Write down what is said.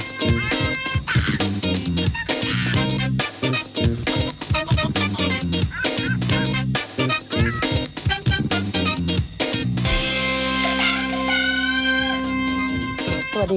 โปรดติดตามตอนต่อไป